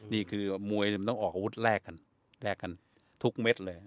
นี่คือมวยมันต้องออกอาวุธแลกกันแลกกันทุกเม็ดเลย